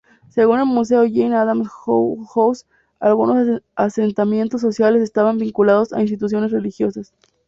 Según el Museo Jane Addams Hull-House, "algunos asentamientos sociales estaban vinculados a instituciones religiosas.